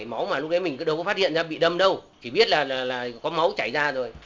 máu mà lúc đấy mình cứ đâu có phát hiện ra bị đâm đâu chỉ biết là có máu chảy ra rồi